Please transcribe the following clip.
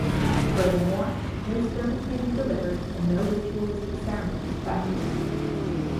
Furthermore, no sermons may be delivered, and no ritualistic ceremonies practiced.